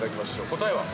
答えは。